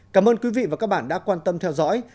cảm ơn quý vị và các bạn đã quan tâm theo dõi